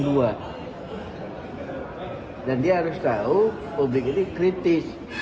dan dia harus tahu publik ini kritis